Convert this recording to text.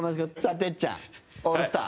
てっちゃん、オールスター。